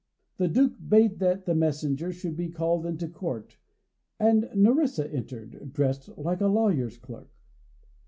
The Duke bade that the messenger should be called into court, and Nerissa entered, dressed like a lawyer's clerk.